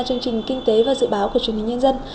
chương trình kinh tế và dự báo của chủ nghĩa nhân dân